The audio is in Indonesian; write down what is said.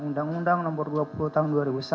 undang undang nomor dua puluh tahun dua ribu satu